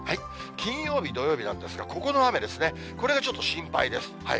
金曜日、土曜日なんですが、ここの雨ですね、これがちょっと心配です。